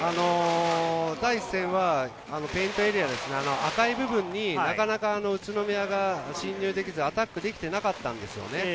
第１戦はペイントエリア、赤い部分になかなか宇都宮が進入できず、アタックできていなかったんですよね。